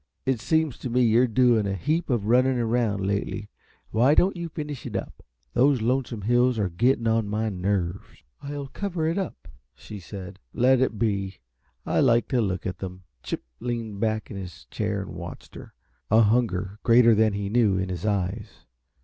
"It seems to me you're doing a heap of running around, lately. Why don't you finish it up? Those lonesome hills are getting on my nerves." "I'll cover it up," said she. "Let it be. I like to look at them." Chip leaned back in his chair and watched her, a hunger greater than he knew in his eyes.